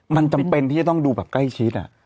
มันจำเป็นที่จะต้องดูแบบใกล้ชิด